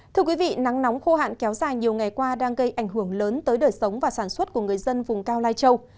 thưa quý vị nắng nóng khô hạn kéo dài nhiều ngày qua đang gây ảnh hưởng lớn tới đời sống và sản xuất của người dân vùng cao lai châu